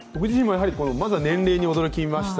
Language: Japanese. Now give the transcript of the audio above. まだ年齢に驚きました。